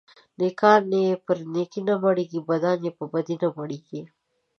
نيکان يې په نيکي نه مړېږي ، بدان يې په بدي نه مړېږي.